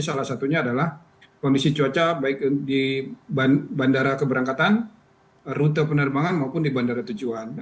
salah satunya adalah kondisi cuaca baik di bandara keberangkatan rute penerbangan maupun di bandara tujuan